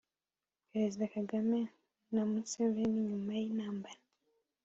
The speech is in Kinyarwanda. perezida kagame na museveni nyuma y'intambara